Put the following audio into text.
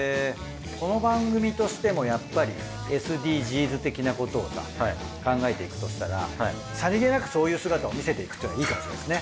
この番組としてもやっぱりＳＤＧｓ的なことをさ考えていくとしたらさりげなくそういう姿を見せていくっていうのはいいかもしれないですね。